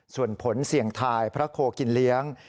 ส่วนผลเสี่ยงทายพระโคกินเลี้ยง